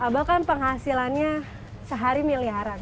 bah abang kan penghasilannya sehari miliaran